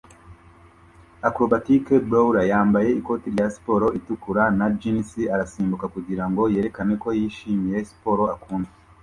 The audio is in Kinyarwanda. Acrobatic Bowler yambaye ikoti rya siporo itukura na jeans arasimbuka kugirango yerekane ko yishimiye siporo akunda